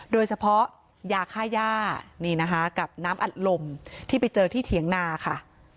โดยเฉพาะยาค่าย่านี่นะคะกับน้ำอัดลมที่ไปเจอที่เถียงนาค่ะ